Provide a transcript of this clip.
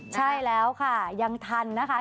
ใช่แล้วค่ะยังทันนะคะ